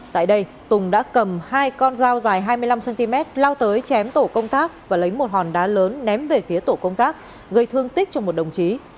tại đây tùng đã cầm hai con dao dài hai mươi năm cm lao tới chém tổ công tác và lấy một hòn đá lớn ném về phía tổ công tác gây thương tích cho một đồng chí